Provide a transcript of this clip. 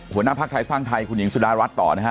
หัวหน้าภักดิ์ไทยสร้างไทยคุณหญิงสุดารัฐต่อนะฮะ